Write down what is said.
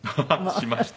しました。